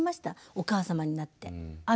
お母様になって。